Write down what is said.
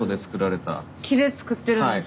木で作ってるんですか？